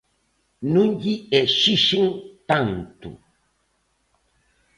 Non lle exixen tanto.